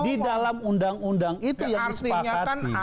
di dalam undang undang itu yang disepakati